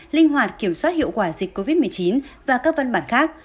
linh hoạt kiểm soát hiệu quả dịch covid một mươi chín và các văn bản khác